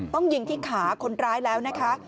ต้องยิงที่ขาคนร้ายแล้วนะคะ